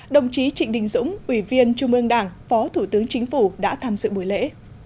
đồng chí trịnh đình dũng ủy viên trung ương đảng phó thủ tướng chính phủ đã tham dự buổi lễ